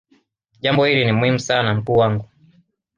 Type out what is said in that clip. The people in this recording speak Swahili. jambo hili ni muhimu sana mkuu wangu